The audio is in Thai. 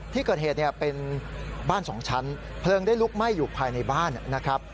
ที่เกิดเหตุเนี่ยเป็นบ้าน๒ชั้นเพลิงได้ลุกไหม้อยู่ภายในบ้านนะครับ